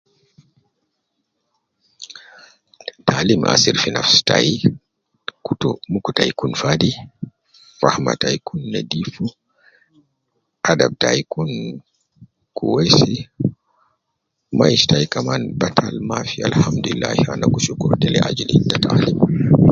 Taalim athir fi nafsi tayi kutu muku tayi kun fadi, fahma tayi kun nedifu, adab tayi kun kwesi, maisha tayi kaman batal mafi alhamdulillah ana gi shukur.